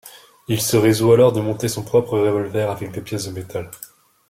Il se résout alors de monter son propre revolver avec des pièces de métal.